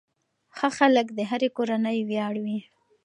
ښه خلک د هرې کورنۍ ویاړ وي.